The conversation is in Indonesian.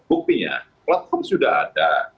buktinya platform sudah ada